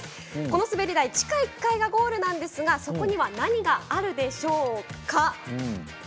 この滑り台、地下１階がゴールになっているんですがそこには何があるでしょうか？